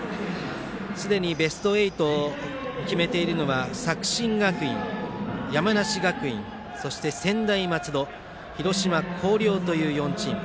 すでにベスト８を決めているのは作新学院、山梨学院そして専大松戸広島・広陵という４チーム。